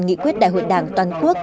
nghị quyết đại hội đảng toàn quốc